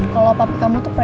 kalau papi kamu tuh preman